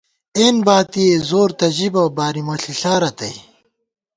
اېن باتِی ئے زور تہ ژِبہ بارِمہ ݪِݪا رتئ